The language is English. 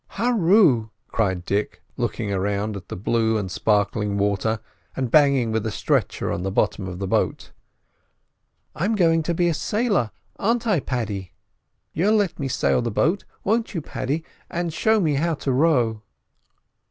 "Hurroo!" cried Dick, looking around at the blue and sparkling water, and banging with a stretcher on the bottom of the boat. "I'm goin' to be a sailor, aren't I, Paddy? You'll let me sail the boat, won't you, Paddy, an' show me how to row?"